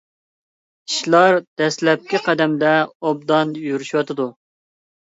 ئىشلار دەسلەپكى قەدەمدە ئوبدان يۈرۈشۈۋاتىدۇ.